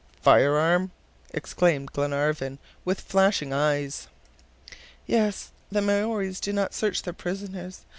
"Fire arm!" exclaimed Glenarvan, with flashing eyes. "Yes! the Maories do not search their prisoners.